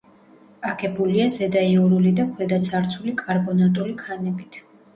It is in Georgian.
აგებულია ზედაიურული და ქვედაცარცული კარბონატული ქანებით.